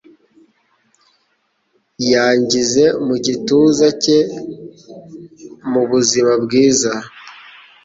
yangize mu gituza cye mubuzima bwiza